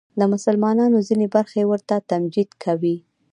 د مسلمانانو ځینې برخې ورته تمجید کوي